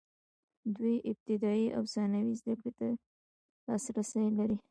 دوی ابتدايي او ثانوي زده کړې ته لاسرسی لري.